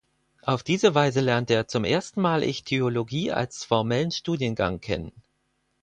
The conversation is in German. Auf diese Weise lernte er zum ersten Mal Ichthyologie als formellen Studiengang kennen.